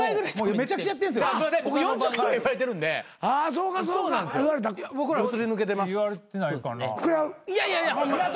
いやいや。